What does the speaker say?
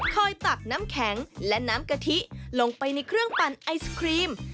ตักน้ำแข็งและน้ำกะทิลงไปในเครื่องปั่นไอศครีม